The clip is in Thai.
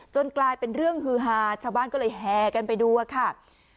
กลายเป็นเรื่องฮือฮาชาวบ้านก็เลยแห่กันไปดูอะค่ะ